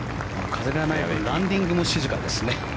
風がないのでランディングも静かですね。